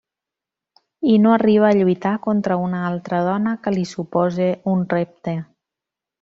I no arriba a lluitar contra una altra dona que li supose un repte.